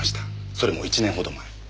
それも１年ほど前。